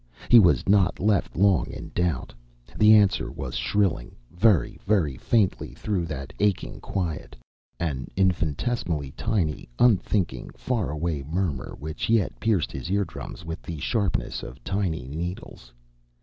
He was not left long in doubt. The answer was shrilling very, very faintly through that aching quiet, an infinitesimally tiny, unthinkably far away murmur which yet pierced his ear drums with the sharpness of tiny needles.